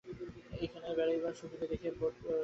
এইখানে বেড়াইবার সুবিধা দেখিয়া বোট বাঁধিলাম।